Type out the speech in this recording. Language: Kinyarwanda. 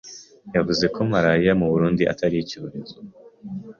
yavuze ko malaria mu Burundi atari icyorezo